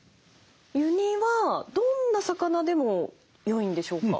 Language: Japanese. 湯煮はどんな魚でもよいんでしょうか？